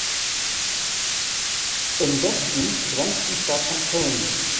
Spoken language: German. Im Westen grenzt die Stadt an Köln.